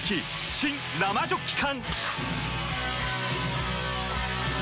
新・生ジョッキ缶！